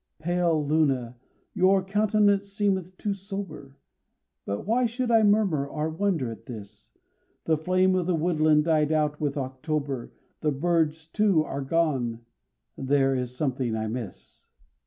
Pale Luna! your countenance seemeth too sober, But why should I murmur or wonder at this? The flame of the woodland died out with October, The birds, too, are gone there is something I miss.